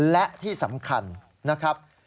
และที่สำคัญนะครับ